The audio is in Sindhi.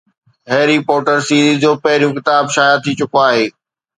هيري پوٽر سيريز جو پهريون ڪتاب شايع ٿي چڪو آهي